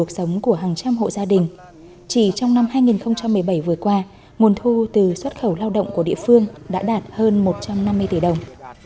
xác định xuất khẩu lao động của địa phương đã đạt hơn một trăm năm mươi tỷ đồng